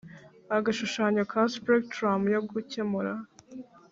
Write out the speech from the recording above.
agashushanyo ka spectrum yo gukemura